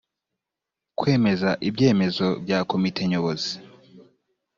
kwemeza ibyemezo bya komite nyobozi